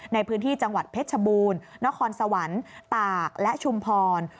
ในพื้นที่จังหวัดเพชรชบูรณ์นครสวรรค์ตากและชุมพร